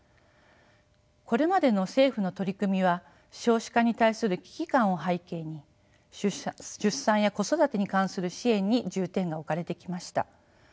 これまでの政府の取り組みは少子化に対する危機感を背景に出産や子育てに関する支援に重点が置かれてきました。